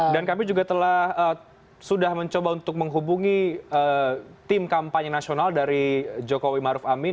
dan kami juga telah sudah mencoba untuk menghubungi tim kampanye nasional dari jokowi maruf amin